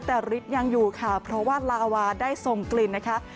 แต่ฤทธิ์ยังอยู่ค่ะเพราะว่าลาวาได้ทรงกลิ่นนะคะ